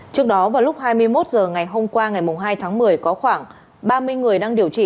trước đó vào lúc hai mươi một h ngày hôm qua ngày hai tháng một mươi có khoảng ba mươi người đang điều trị